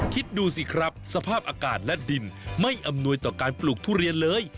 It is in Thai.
คิดดูสิครับสภาพอากาศและดินไม่อำนวยต่อการปลูกทุเรียนเลย